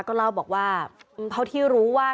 ก็เล่าบอกว่าเท่าที่รู้ว่า